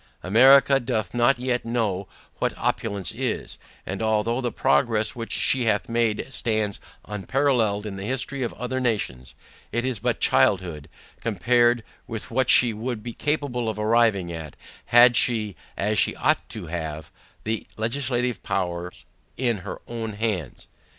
America doth not yet know what opulence is; and although the progress which she hath made stands unparalleled in the history of other nations, it is but childhood, compared with what she would be capable of arriving at, had she, as she ought to have, the legislative powers in her own hands.